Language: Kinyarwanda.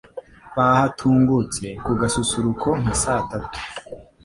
bahatungutse ku gasusuruko nka sa tatu